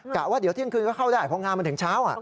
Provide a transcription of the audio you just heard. ว่าเดี๋ยวเที่ยงคืนก็เข้าได้เพราะงานมันถึงเช้า